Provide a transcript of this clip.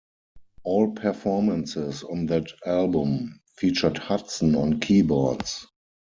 All performances on that album featured Hudson on keyboards.